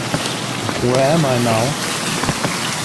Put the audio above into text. Where am I now?